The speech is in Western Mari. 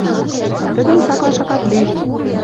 Тӹдӹм цаклаш акат ли.